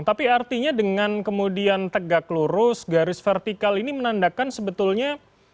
tapi artinya dengan kemudian tegak lurus garis vertikal ini menandakan sebetulnya